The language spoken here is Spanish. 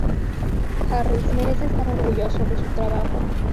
Harris merece estar orgulloso de su trabajo.